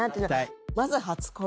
まず初恋。